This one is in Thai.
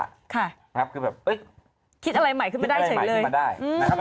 คิดอะไรใหม่ขึ้นมาได้เฉยเลย